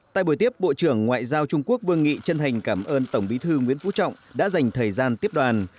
tại buổi tiếp bộ trưởng ngoại giao trung quốc vương nghị chân thành cảm ơn tổng bí thư nguyễn phú trọng đã dành thời gian tiếp đoàn